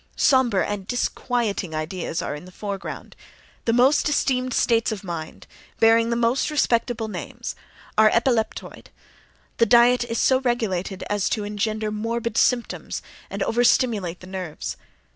Sombre and disquieting ideas are in the foreground; the most esteemed states of mind, bearing the most respectable names, are epileptoid; the diet is so regulated as to engender morbid symptoms and over stimulate the nerves.